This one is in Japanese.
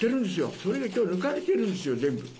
それが全部抜かれてるんですよ、全部。